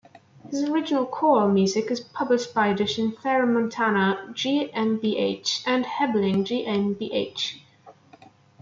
His original choral music is published by Edition Ferrimontana GmbH and Helbling GmbH.